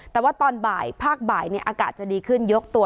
แต่ว่าตอนบ่ายภาคบ่ายอากาศจะดีขึ้นยกตัว